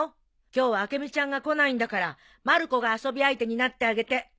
今日はあけみちゃんが来ないんだからまる子が遊び相手になってあげて。